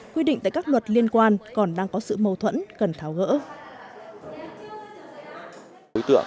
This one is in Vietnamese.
quy định tại các luật liên quan còn đang có sự mâu thuẫn cần tháo gỡ